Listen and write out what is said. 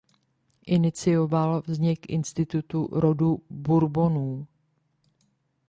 Inicioval vznik Institutu rodu Bourbonů.